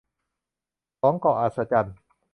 สอง เกาะอัศจรรย์